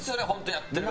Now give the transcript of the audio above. やってる方。